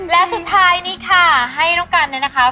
และสุดท้ายนี้ค่ะให้น้องกันเนี่ยนะคะ